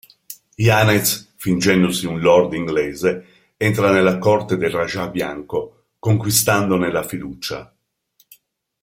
Yanez, fingendosi un Lord inglese, entra alla corte del Rajah bianco, conquistandone la fiducia.